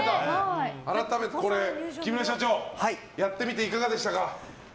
改めて木村社長やってみていかがでしたか？